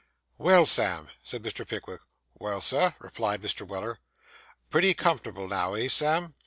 'Well, Sam,' said Mr. Pickwick. 'Well, sir,' replied Mr. Weller. 'Pretty comfortable now, eh, Sam?